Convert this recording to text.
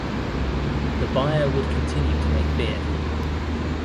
The buyer would continue to make beer.